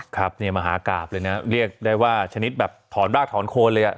ครับเนี่ยมหากราบเลยนะเรียกได้ว่าชนิดแบบถอนรากถอนโคนเลยอ่ะ